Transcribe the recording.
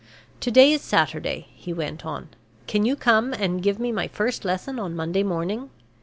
"To day is Saturday," he went on. "Can you come and give me my first lesson on Monday morning?